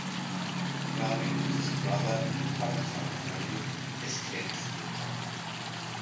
Ravi and his brother, Paritala Hari, escaped the attack.